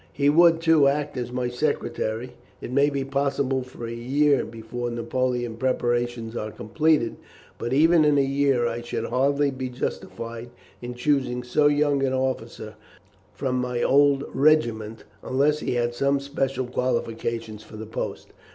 "He would, too, act as my secretary. It may possibly be a year before Napoleon's preparations are completed; but even in a year I should hardly be justified in choosing so young an officer from my old regiment, unless he had some special qualifications for the post.